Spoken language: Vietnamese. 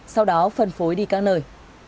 sau đó phân phối đi các nơi